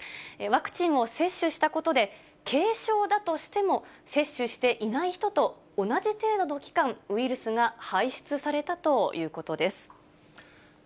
ワクチンを接種したことで、軽症だとしても、接種していない人と同じ程度の期間、ウイルスが排出されたということです。